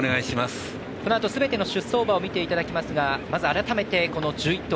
このあとすべての出走馬を見ていただきますがまず改めて１１頭